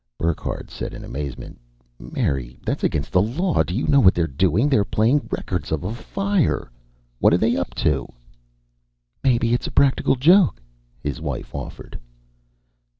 Burckhardt said in amazement, "Mary, that's against the law! Do you know what they're doing? They're playing records of a fire. What are they up to?" "Maybe it's a practical joke," his wife offered.